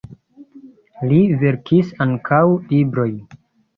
Li verkis ankaŭ librojn.